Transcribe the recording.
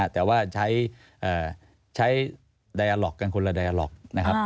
แต่ว่าใช้ไดอาล็อกกันคนละไดอาล็อกนะครับ